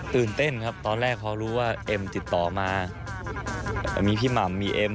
ตื่นเต้นครับตอนแรกพอรู้ว่าเอ็มติดต่อมามีพี่หม่ำมีเอ็ม